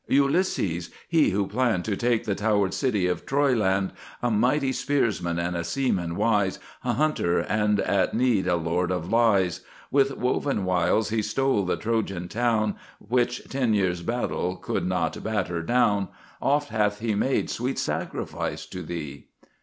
Ulysses. He who planned To take the towered city of Troy land A mighty spearsman, and a seaman wise, A hunter, and at need a lord of lies. With woven wiles he stole the Trojan town Which ten years' battle could not batter down: Oft hath he made sweet sacrifice to thee.